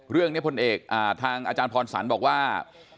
เรื่องพลเอกทางอาจารย์พรสันธ์บอกว่า